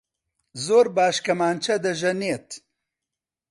زۆر باش کەمانچە دەژەنێت.